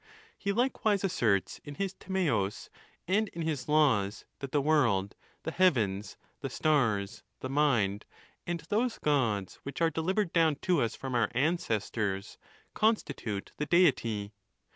He like wise asserts in his TimsBus, and in his Laws, that the world, the heavens, the stars, the mind, and those Gods which are delivered down to us from our ancestors, constitute the Deity.